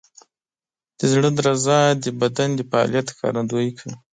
د زړه درزا د بدن د فعالیت ښکارندویي کوي.